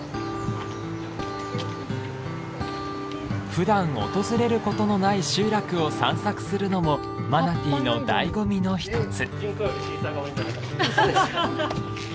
普段訪れる事のない集落を散策するのもマナティの醍醐味の一つ。